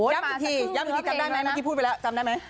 ย้ำอีกทีย้ำอีกทีจำได้ไหมเมื่อกี้พูดไปแล้วจำได้ไหม